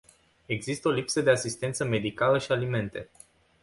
Există o lipsă de asistență medicală și alimente.